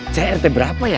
saya rt berapa ya